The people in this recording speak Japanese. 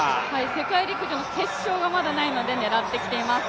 世界陸上の決勝がまだないので狙ってきています。